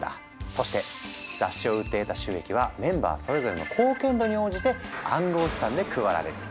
そして雑誌を売って得た収益はメンバーそれぞれの貢献度に応じて暗号資産で配られる。